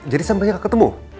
jadi sampelnya gak ketemu